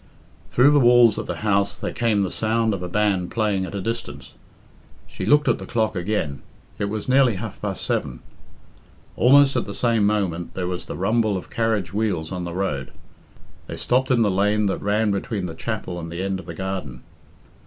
Through the walls of the house there came the sound of a band playing at a distance. She looked at the clock again it was nearly half past seven. Almost at the same moment there was the rumble of carriage wheels on the road. They stopped in the lane that ran between the chapel and the end of the garden.